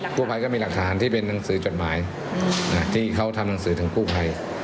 ผู้ภัยก็มีหลักฐานที่เป็นหนังสือจดหมายที่เขาทำหนังสือถึงกู้ภัย